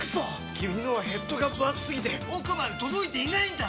君のはヘッドがぶ厚すぎて奥まで届いていないんだっ！